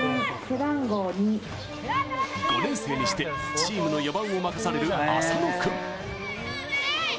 ５年生にしてチームの４番を任される浅野君。